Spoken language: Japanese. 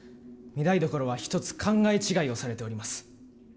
御台所は一つ考え違いをされております。